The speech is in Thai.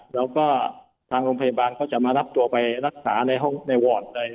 แล้วก็ทางโรงพยาบาลเขาจะมารับตัวไปรักษาในห้องในวอร์ด